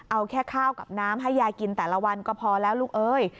เอาแค่ข้าวกับน้ำให้ยายกินแต่ละวันก็พอแล้วลูกเอ้ย